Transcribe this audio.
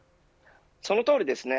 そのとおりですね。